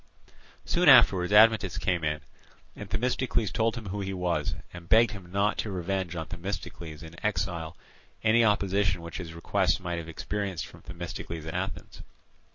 Soon afterwards Admetus came in, and Themistocles told him who he was, and begged him not to revenge on Themistocles in exile any opposition which his requests might have experienced from Themistocles at Athens.